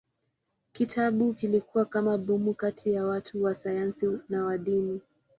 Kitabu kilikuwa kama bomu kati ya watu wa sayansi na wa dini.